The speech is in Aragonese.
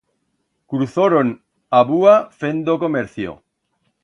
Cruzoron a búa fendo comercio.